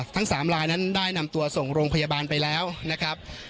ทั้ง๓ลายนั้นได้นำตัวส่งโรงพยาบาลไปแล้วนะครับ